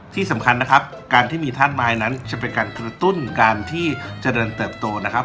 ที่สำคัญนะครับการที่มีธาตุไม้นั้นจะเป็นการกระตุ้นการที่เจริญเติบโตนะครับ